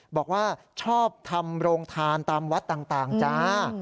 บอกว่าชอบทำโรงทานตามวัดต่างจ้า